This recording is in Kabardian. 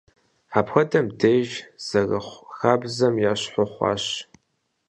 Апхуэдэм деж зэрыхъу хабзэм ещхьу хъуащ.